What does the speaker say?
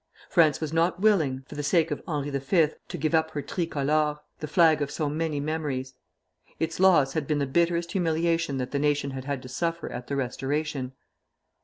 France was not willing, for the sake of Henri V., to give up her tricolor, the flag of so many memories. Its loss had been the bitterest humiliation that the nation had had to suffer at the Restoration.